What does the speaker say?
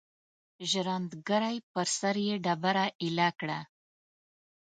ژرندګړی پر سر یې ډبره ایله کړه.